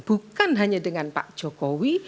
bukan hanya dengan pak jokowi